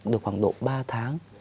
được khoảng độ ba tháng